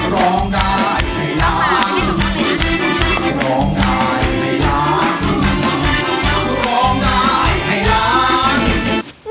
เล่นกล้องหน่อย